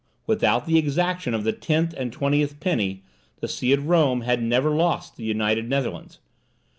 Without the exaction of the tenth and the twentieth penny, the See of Rome had never lost the United Netherlands.